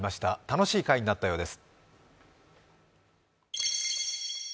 楽しい会になったようです。